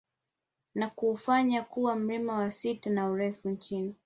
Na kuufanya kuwa mlima wa sita kwa urefu nchini